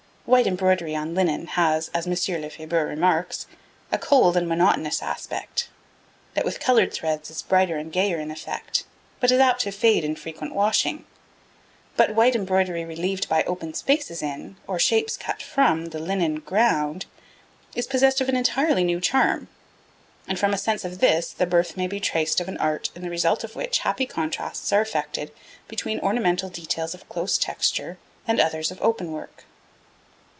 White embroidery on linen has, M. Lefebure remarks, a cold and monotonous aspect; that with coloured threads is brighter and gayer in effect, but is apt to fade in frequent washing; but white embroidery relieved by open spaces in, or shapes cut from, the linen ground, is possessed of an entirely new charm; and from a sense of this the birth may be traced of an art in the result of which happy contrasts are effected between ornamental details of close texture and others of open work.